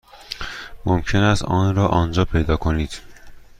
ممکن است آن را آنجا پیدا کنید.